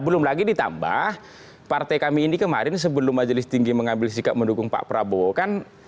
belum lagi ditambah partai kami ini kemarin sebelum majelis tinggi mengambil sikap mendukung pak prabowo kan